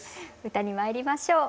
歌にまいりましょう。